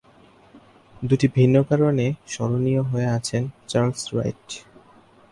দুইটি ভিন্ন কারণে স্মরণীয় হয়ে আছেন চার্লস রাইট।